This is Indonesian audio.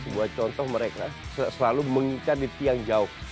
sebuah contoh mereka selalu mengicar di piang jauh